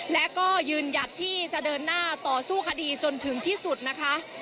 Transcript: และก็ยืนหยัดที่จะเดินหน้าต่อสู้คดีจนถึงที่สุดนะคะ